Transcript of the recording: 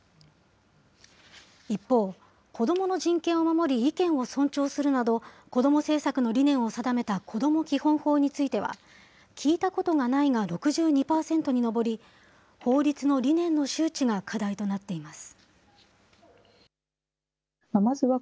一方、子どもの人権を守り、意見を尊重するなど、子ども政策の理念を定めたこども基本法については、聞いたことがないが６２％に上り、法律の理念の周知が課題となっています。